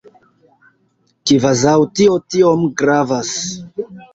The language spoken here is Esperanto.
Kvazaŭ tio tiom gravas.